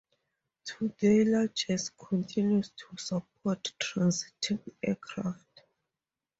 Today, Lajes continues to support transiting aircraft.